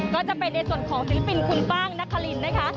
ก็จะเป็นในส่วนของศิลปินคุณป้างนครินนะคะ